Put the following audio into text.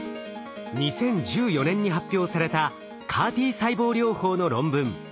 ２０１４年に発表されたＣＡＲ−Ｔ細胞療法の論文。